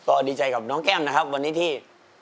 โอ้ยใจนะใจ